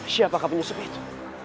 siapakah penyusup itu